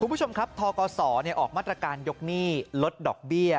คุณผู้ชมครับทกศออกมาตรการยกหนี้ลดดอกเบี้ย